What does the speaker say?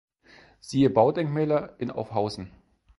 Siehe: Baudenkmäler in Aufhausen